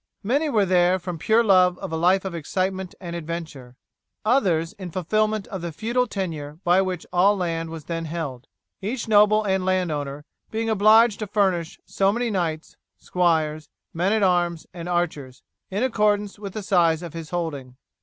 Many were there from pure love of a life of excitement and adventure, others in fulfilment of the feudal tenure by which all land was then held, each noble and landowner being obliged to furnish so many knights, squires, men at arms, and archers, in accordance with the size of his holding.